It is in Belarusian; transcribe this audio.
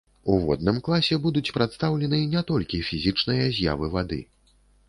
У водным класе будуць прадстаўлены не толькі фізічныя з'явы вады.